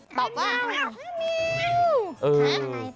เป็นแมวหรือเป็นนู้